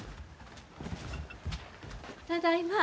ただいま。